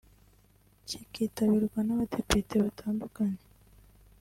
cyikitabirwa n’abadepite batandukanye